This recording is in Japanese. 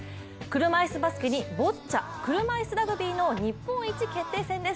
車いすバスケにボッチャ、車いすラグビーの日本一決定戦です。